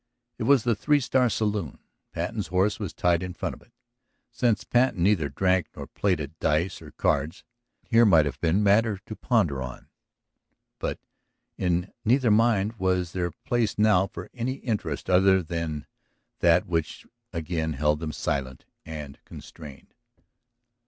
It was the Three Star saloon. Patten's horse was tied in front of it. Since Patten neither drank nor played at dice or cards here might have been matter to ponder on. But in neither mind was there place now for any interest other than that which again held them silent and constrained.